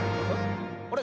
あれ？